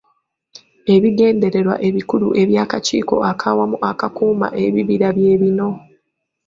Ebigendererwa ebikulu eby'Akakiiko ak'Awamu Akakuuma Ebibira bye bino.